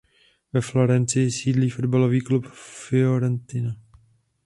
Ve Florencii sídlí fotbalový klub Fiorentina.